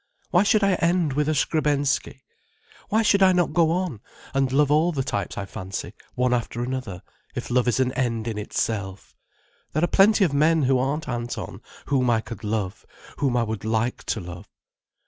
Why should I end with a Skrebensky? Why should I not go on, and love all the types I fancy, one after another, if love is an end in itself? There are plenty of men who aren't Anton, whom I could love—whom I would like to love."